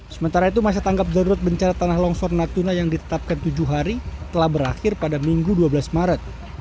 sementara itu masa tanggap darurat bencana tanah longsor natuna yang ditetapkan tujuh hari telah berakhir pada minggu dua belas maret